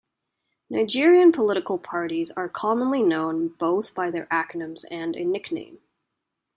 Nigerien political parties are commonly known both by their acronyms and a nickname.